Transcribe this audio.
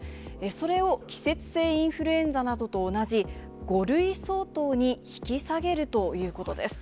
それを季節性インフルエンザなどと同じ、５類相当に引き下げるということです。